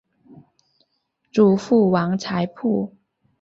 祖父王才甫。